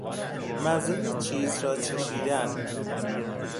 مزه چیز را چشیدن